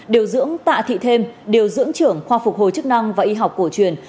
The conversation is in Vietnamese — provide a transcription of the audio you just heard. điều dưỡng tạ thị thêm điều dưỡng trưởng khoa phục hồi chức năng và y học cổ truyền